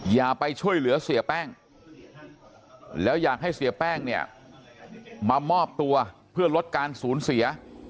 อย่าไปช่วยเหลือเสียแป้งแล้วอยากให้เสียแป้งเนี่ยมามอบตัวเพื่อลดการสูญเสีย